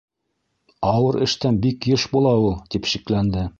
Ауыр эштән бик йыш була ул, — тип шикләнде.